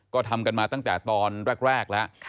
ก็ทำกันมาตั้งแต่ตอนแรกแล้ว